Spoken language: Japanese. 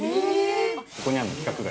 ここにあるの規格外。